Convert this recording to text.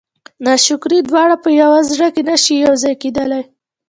ناشکري دواړه په یوه زړه کې نه شي یو ځای کېدلی.